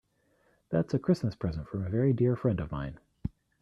That's a Christmas present from a very dear friend of mine.